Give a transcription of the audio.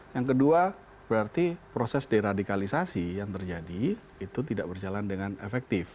yang kedua berarti proses deradikalisasi yang terjadi itu tidak berjalan dengan efektif